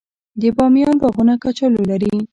د بامیان باغونه کچالو لري.